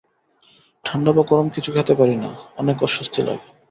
ঠান্ডা বা গরম কিছু খেতে পারি না। অনেক অস্বস্তি লাগে।